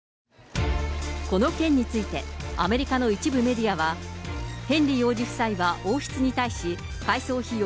この件について、アメリカの一部メディアは、ヘンリー王子夫妻は王室に対し、改装費用